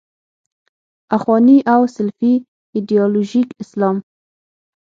اخواني او سلفي ایدیالوژیک اسلام.